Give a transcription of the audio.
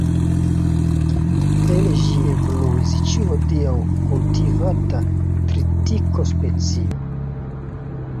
El ĝi evoluis ĉiu hodiaŭ kultivata tritiko-specio.